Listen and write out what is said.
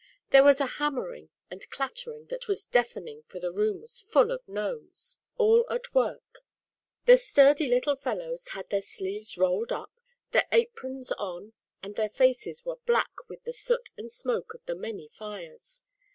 There WSjali v/Jr hammering ^_~j ^^ and clattering that was deafening, for th e room was of Gnomes, all at 172 ZAUBERLINDA, THE WISE WITCH. work. The sturdy little fellows had their sleeves rolled up, their aprons on and their faces were black with the soot and smoke of the many fires.